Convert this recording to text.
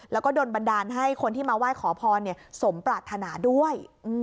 แล้วก็โดนบันดาลให้คนที่มาไหว้ขอพรสมปรารถนาด้วย